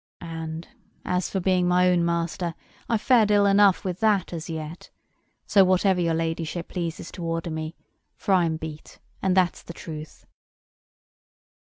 And, as for being my own master, I've fared ill enough with that as yet. So whatever your ladyship pleases to order me; for I'm beat, and that's the truth."